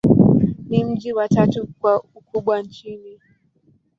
Ni mji wa tatu kwa ukubwa nchini.